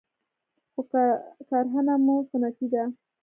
خو کرهنه مو سنتي ده